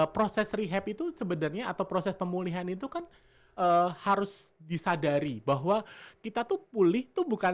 proses rehab itu sebenarnya atau proses pemulihan itu kan harus disadari bahwa kita tuh pulih tuh bukan